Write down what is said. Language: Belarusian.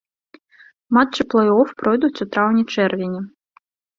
Матчы плэй-оф пройдуць у траўні-чэрвені.